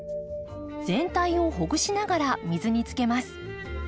全体をほぐしながら水につけます。